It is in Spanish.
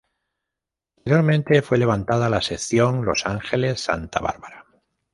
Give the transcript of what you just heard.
Posteriormente fue levantada la sección Los Ángeles-Santa Bárbara.